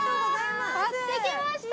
買ってきました！